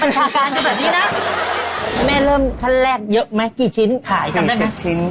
บัญชาการกับแบบนี้นะแม่เริ่มแค่แรกเยอะไหมกี่ชิ้นขายกันด้วยนะ๔๐ชิ้น